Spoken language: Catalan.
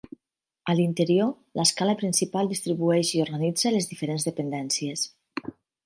A l'interior, l'escala principal distribueix i organitza les diferents dependències.